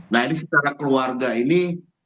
nah ini secara keluarga ini